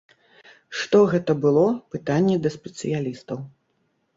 Што гэта было, пытанне да спецыялістаў.